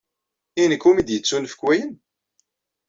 I nekk umi d-yettunefk wayen?